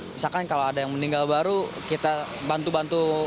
misalkan kalau ada yang meninggal baru kita bantu bantu